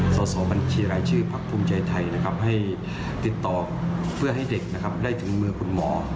ส่วนส่วนบัญชีรายชื่อภักดิ์ภูมิใจไทยให้ติดต่อเพื่อให้เด็กได้ถึงมือคุณหมอ